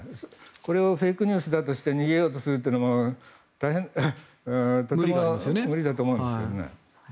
これをフェイクニュースだとして逃げようとするのも大変、無理だと思うんですけどね。